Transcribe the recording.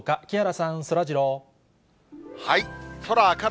木原さん、そらジロー。